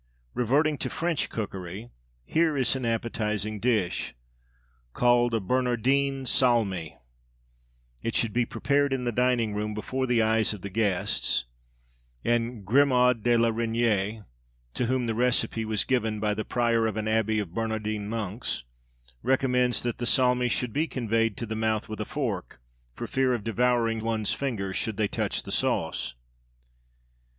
Reverting to French cookery, here is an appetising dish, called a Bernardin Salmi. It should be prepared in the dining room, before the eyes of the guests; and Grimod de la Reyniere (to whom the recipe was given by the prior of an abbey of Bernardin monks) recommends that the salmi should be conveyed to the mouth with a fork, for fear of devouring one's fingers, should they touch the sauce.